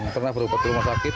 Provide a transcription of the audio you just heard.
pernah berobat ke rumah sakit